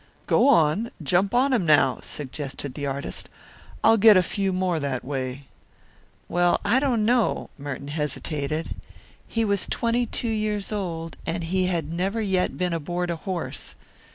"Go on, jump on him now," suggested the artist. "I'll get a few more that way." "Well, I don't know," Merton hesitated. He was twenty two years old, and he had never yet been aboard a horse.